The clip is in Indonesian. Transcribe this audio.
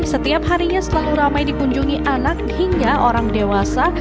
setiap harinya selalu ramai dikunjungi anak hingga orang dewasa